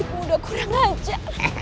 aduh mudah kurang aja